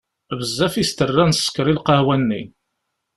Bezzaf i s-terra n sskeṛ i lqahwa-nni.